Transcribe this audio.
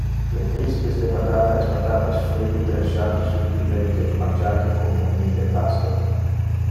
Le crispes de patata es patatas frite trenchate subtilmente, mangiate como mini-repasto.